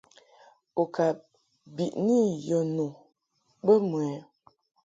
U ka biʼni yɔ nu bə mɨ ɛ?